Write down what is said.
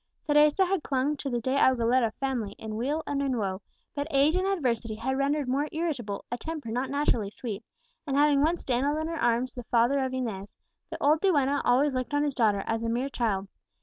Teresa had clung to the De Aguilera family in weal and in woe; but age and adversity had rendered more irritable a temper not naturally sweet; and having once dandled in her arms the father of Inez, the old duenna always looked on his daughter as a mere child.